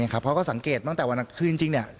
ก็สังเกตว่าตอนวันนางคลึ้นจริง